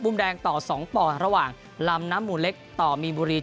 แดงต่อ๒ปอนดระหว่างลำน้ำหมู่เล็กต่อมีนบุรี